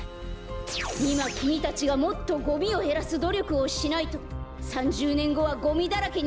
いまきみたちがもっとゴミをへらすどりょくをしないと３０ねんごはゴミだらけになって。